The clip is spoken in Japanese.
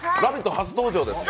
初登場ですね。